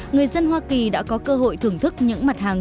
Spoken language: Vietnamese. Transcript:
người dân hoa kỳ đã có cơ hội thưởng thức những mặt hàng